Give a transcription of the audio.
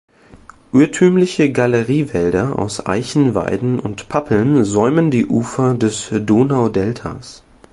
Urtümliche Galeriewälder aus Eichen, Weiden und Pappeln säumen die Ufer des Donaudeltas.